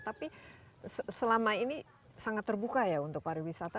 tapi selama ini sangat terbuka ya untuk pariwisata